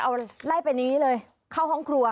เอาไล่ไปแบบนี้เลยครอบครัว